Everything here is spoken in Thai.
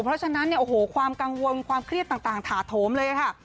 เพราะฉะนั้นความกังวลความเครียดต่างถาโทมเลยค่ะ